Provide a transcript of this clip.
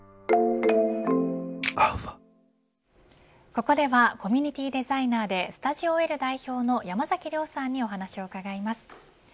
ここではコミュニティデザイナーでｓｔｕｄｉｏ‐Ｌ代表の山崎亮さんにお話を伺います。